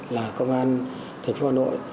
là công an thành phố hà nội